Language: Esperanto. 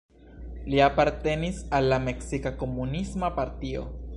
Li apartenis al la Meksika Komunisma Partio.